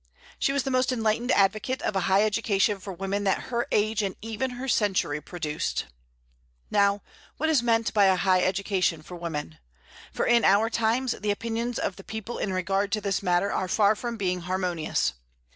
She was the most enlightened advocate of a high education for women that her age and even her century produced. Now, what is meant by a high education for women? for in our times the opinions of people in regard to this matter are far from being harmonious.